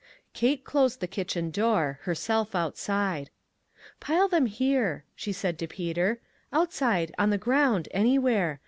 Kate closed the kitchen door, herself outside. " Pile them here," she said to Peter, "outside, on the ground, anywhere.